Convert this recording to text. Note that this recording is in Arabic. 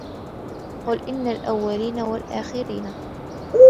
قُلْ إِنَّ الْأَوَّلِينَ وَالْآخِرِينَ